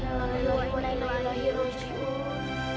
ya allah ya allah ya allah ya allah ya allah